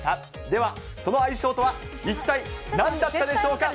ではその愛称とは、一体なんだったでしょうか。